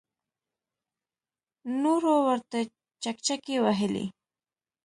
نورو ورته چکچکې وهلې.